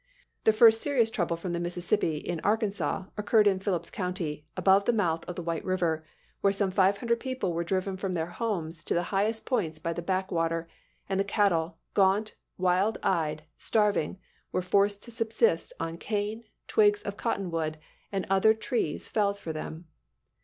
The first serious trouble from the Mississippi in Arkansas occurred in Phillips county, above the mouth of the White River, where some five hundred people were driven from their homes to the highest points by the backwater, and the cattle, gaunt, wild eyed, starving, were forced to subsist on cane, twigs of cotton wood and other trees felled for them.